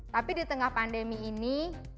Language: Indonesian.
tapi di tengah pandemi ini